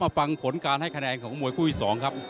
ฟังผลการให้คะแนนของมวยคู่ที่๒ครับ